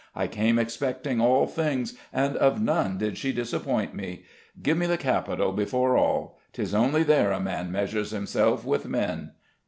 I came expecting all things, and of none did she disappoint me. Give me the capital before all! 'Tis only there a man measures himself with men."